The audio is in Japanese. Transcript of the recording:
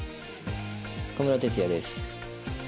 小室哲哉です。